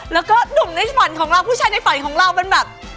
แล้วก็หนุ่มในฝันของเราผู้ชายในฝันของเราเป็นแบบ